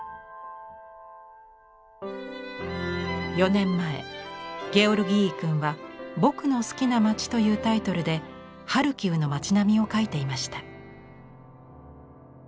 ４年前ゲオルギーイ君は「僕の好きな町」というタイトルでハルキウの町並みを描いていました。